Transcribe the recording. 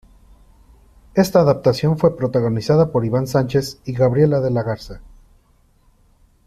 Esta adaptación fue protagonizada por Iván Sánchez y Gabriela de la Garza.